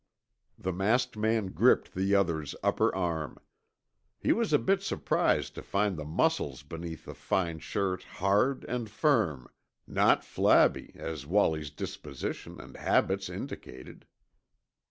The masked man gripped the other's upper arm. He was a little bit surprised to find the muscles beneath the fine shirt hard and firm, not flabby as Wallie's disposition and habits indicated.